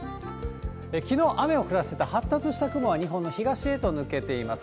きのう、雨を降らせた発達した雲は、日本の東へと抜けています。